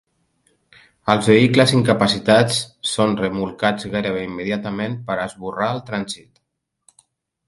Els vehicles incapacitats són remolcats gairebé immediatament per esborrar el trànsit.